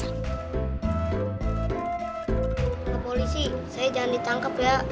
pak polisi saya jangan ditangkap ya